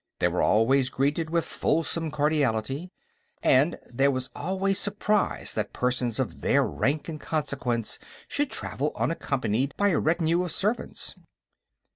They were always greeted with fulsome cordiality, and there was always surprise that persons of their rank and consequence should travel unaccompanied by a retinue of servants.